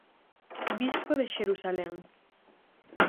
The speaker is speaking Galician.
Bispo de Xerusalén.